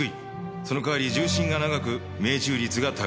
その代わり銃身が長く命中率が高い。